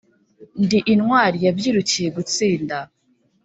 ndi intwali yabyirukiye gutsinda,